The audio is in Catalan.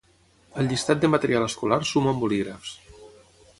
Al llistat de material escolar suma'm bolígrafs.